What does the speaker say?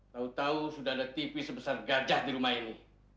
tahu tahu sudah ada tv sebesar gajah di rumah ini